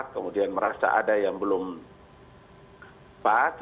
kemudian merasa ada yang belum pas